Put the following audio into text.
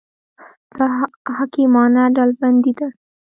دا حکیمانه ډلبندي ده.